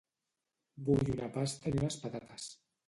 Vull una pasta i unes patates.